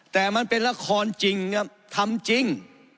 แต่มันเป็นละครจริงครับทำจริง